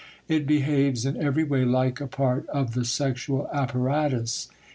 It behaves in every way like a part of the sexual apparatus.